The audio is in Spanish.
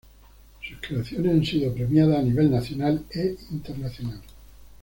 Sus creaciones han sido premiadas a nivel nacional e internacional.